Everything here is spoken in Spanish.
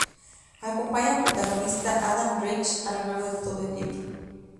Acompaña al protagonista, Adam Reith, a lo largo de todo el libro.